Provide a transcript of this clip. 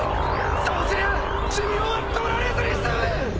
そうすりゃ寿命は取られずに済む！